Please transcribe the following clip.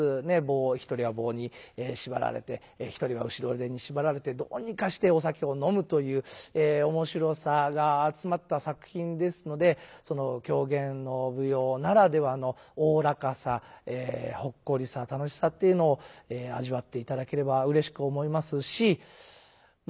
１人は棒に縛られて１人は後ろ手に縛られてどうにかしてお酒を飲むという面白さが詰まった作品ですので狂言の舞踊ならではのおおらかさほっこりさ楽しさっていうのを味わっていただければうれしく思いますしま